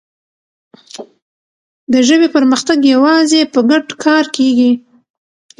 د ژبې پرمختګ یوازې په ګډ کار کېږي.